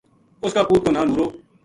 اُس کا پُوت کو ناں نورو